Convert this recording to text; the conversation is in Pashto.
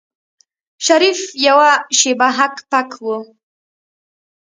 شريف يوه شېبه هک پک و.